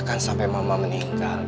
bakal sampai mama meninggal